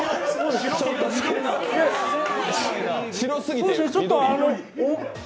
白すぎて、緑。